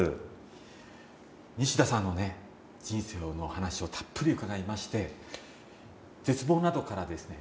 西田さんのね人生のお話をたっぷり伺いまして絶望などからですね